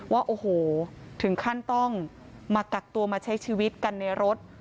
ว่าโอ้โหถึงขั้นต้องมากักตัวมาใช้ชีวิตกันในรถ